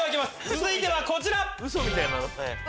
続いてはこちら！